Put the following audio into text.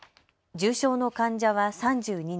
重症の患者は３２人。